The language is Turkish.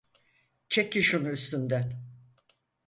Çekin şunu üstümden!